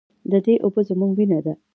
د دې اوبه زموږ وینه ده؟